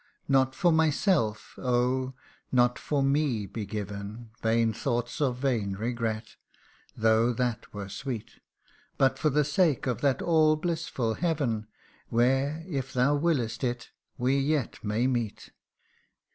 Not for myself oh ! not for me be given Vain thoughts of vain regret, though that were sweet ; But for the sake of that all blissful Heaven, Where, if thou wiliest it, we yet may meet.